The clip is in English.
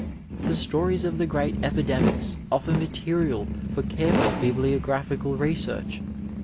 The stories of the great epidemics offer material for care ful bibliographical research.